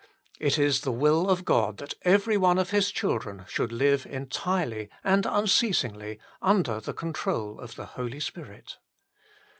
It is the will of God that every one of His children should live entirely and unceas ingly under the control of the Holy Spirit.